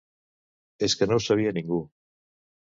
És que no ho sabia ningú!